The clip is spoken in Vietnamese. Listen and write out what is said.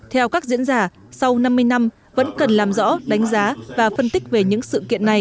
theo các diễn giả sau năm mươi năm vẫn cần làm rõ đánh giá và phân tích về những sự kiện này